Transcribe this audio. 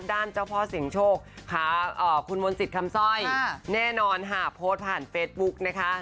เจ้าพ่อเสียงโชคค่ะคุณมนต์สิทธิ์คำสร้อยแน่นอนค่ะโพสต์ผ่านเฟซบุ๊กนะคะ